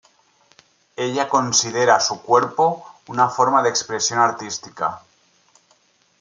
Ella considera su cuerpo una forma de expresión artística.